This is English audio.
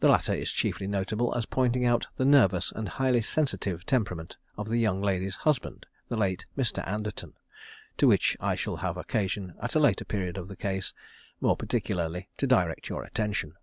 The latter is chiefly notable as pointing out the nervous and highly sensitive temperament of the young lady's husband, the late Mr. Anderton, to which I shall have occasion at a later period of the case, more particularly to direct your attention.